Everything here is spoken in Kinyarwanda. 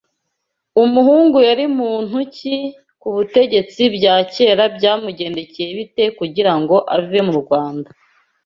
uMuhangu yari muntu ki kubutegetsibyakeraByamugendekeye bite kugira ngo ave mu Rwanda